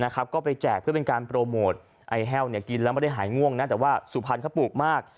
ก็ไปแจกเพื่อเป็นการโปรโมทไอแห้วกินแล้วไม่ได้หายง่วงนะแต่ว่าสุพรรณเขาปลูกมาก